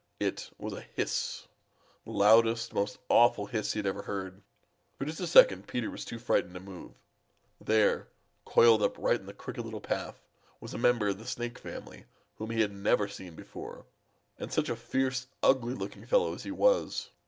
It was a hiss, the loudest, most awful hiss he ever had heard. For just a second Peter was too frightened to move. There, coiled up right in the Crooked Little Path, was a member of the Snake family whom he never had seen before. And such a fierce, ugly looking fellow as he was!